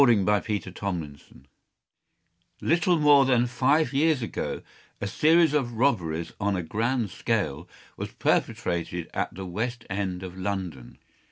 ” THE DUKE’S MYSTERY LITTLE more than five years ago, a series of robberies on a grand scale was perpetrated at the West End of London.